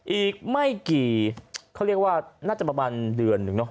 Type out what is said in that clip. อีกไม่กี่เขาเรียกว่าน่าจะประมาณเดือนหนึ่งเนาะ